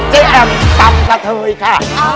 เจอันตำรักเธอค่ะ